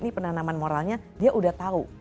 ini penanaman moralnya dia udah tahu